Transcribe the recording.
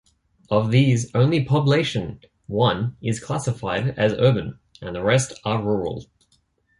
Of these, only Poblacion I is classified as urban and the rest are rural.